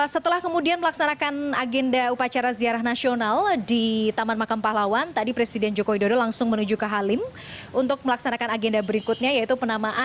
setelah kemudian melaksanakan agenda upacara ziarah nasional di taman makam pahlawan tadi presiden joko widodo langsung menuju ke halim untuk melaksanakan agenda berikutnya yaitu penamaan